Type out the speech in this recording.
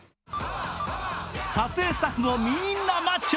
撮影スタッフもみんなマッチョ。